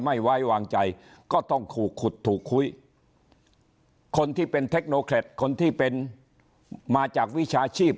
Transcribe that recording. ไม่ไว้วางใจก็ต้องขู่ขุดถูกคุยคนที่เป็นเทคโนแครตคนที่เป็นมาจากวิชาชีพ